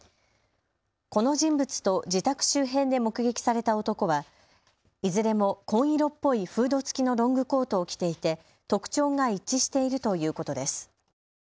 この人物と自宅周辺で目撃された男はいずれも紺色っぽいフード付きのロングコートを着ていて特徴が一致しているということです。